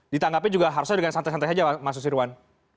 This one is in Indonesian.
ditanggapi juga harusnya dengan santai santai saja mas susirwan